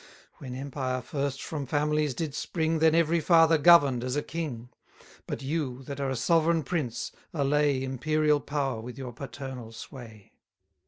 When empire first from families did spring, Then every father govern'd as a king: But you, that are a sovereign prince, allay Imperial power with your paternal sway.